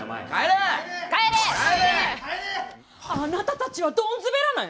あなたたちはドンズベらない。